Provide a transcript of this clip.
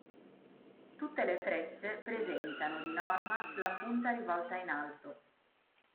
Tutte le frecce presentano, di norma, la punta rivolta in alto.